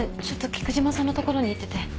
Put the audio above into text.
ちょっと菊島さんの所に行ってて。